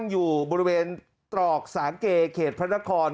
อยู่บริเวณตรอกสวัสดิ์เกสพรรณคร